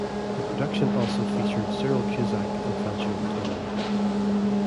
The production also featured Cyril Cusack and Franchot Tone.